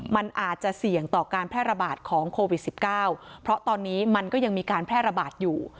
มันอาจจะเสี่ยงต่อการแพร่ระบาดของโควิด๑๙เพราะตอนนี้มันก็ยังมีการแพร่ระบาดอยู่